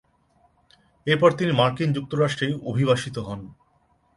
এরপর তিনি মার্কিন যুক্তরাষ্ট্রে অভিবাসিত হন।